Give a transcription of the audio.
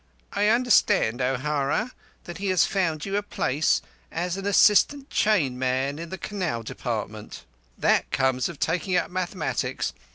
"I understand, O'Hara, that he has found you a place as an assistant chain man in the Canal Department: that comes of taking up mathematics.